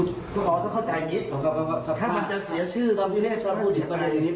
ผอต้องเข้าใจนิดถ้ามันจะเสียชื่อต้องพูดเร็วในในทีนี้ผมว่าผอมแท้แล้ว